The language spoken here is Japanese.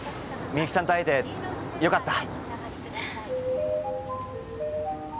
みゆきさんと会えてよかった。